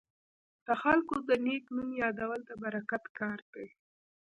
د خلکو د نیک نوم یادول د برکت کار دی.